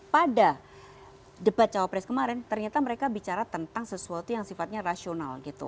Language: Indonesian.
pada debat cawapres kemarin ternyata mereka bicara tentang sesuatu yang sifatnya rasional gitu